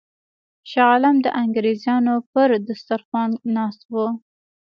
شاه عالم د انګرېزانو پر سترخوان ناست وو.